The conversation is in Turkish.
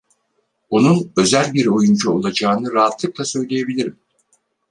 Onun özel bir oyuncu olacağını rahatlıkla söyleyebilirim.